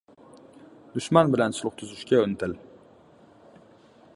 — Dushman bilan sulh tuzishga intil.